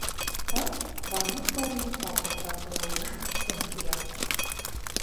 Ҡарт ҡармаҡ бауының ҡапыл тартылыуына һиҫкәнеп уянды.